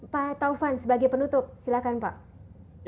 pak taufan sebagai penutup silakan pak